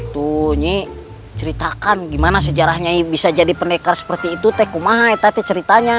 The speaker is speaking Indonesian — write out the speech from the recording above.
tuh nyik ceritakan gimana sejarah nyanyi bisa jadi pendekar seperti itu teh kumah teh ceritanya